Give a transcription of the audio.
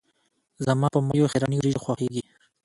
زما په میو خیرنې وريژې خوښیږي.